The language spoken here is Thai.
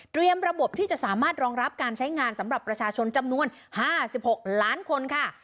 ระบบที่จะสามารถรองรับการใช้งานสำหรับประชาชนจำนวน๕๖ล้านคนค่ะ